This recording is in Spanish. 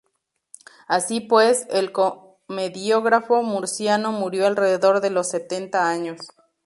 Así pues, el comediógrafo murciano murió alrededor de los setenta años.